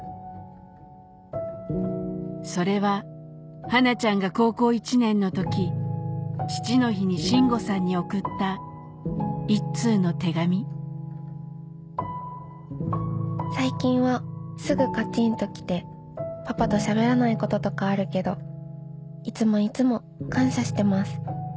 それははなちゃんが高校１年の時父の日に信吾さんに送った一通の手紙「最近はすぐカチンときてパパとしゃべらないこととかあるけどいつもいつも感謝してます。